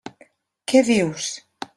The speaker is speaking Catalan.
Què dius?